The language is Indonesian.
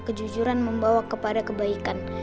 kejujuran membawa kepada kebaikan